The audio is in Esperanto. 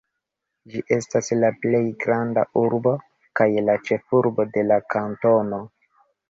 Ĝi estas la plej granda urbo, kaj la ĉefurbo de la kantono.